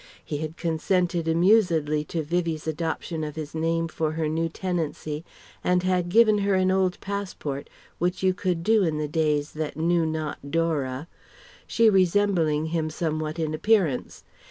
He had consented amusedly to Vivie's adoption of his name for her new tenancy and had given her an old passport, which you could do in the days that knew not Dora she resembling him somewhat in appearance.